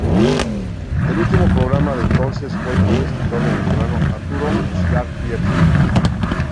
El último programa de entonces fue con el escritor venezolano Arturo Uslar Pietri.